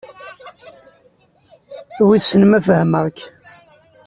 Wissen ma fehmeɣ-k?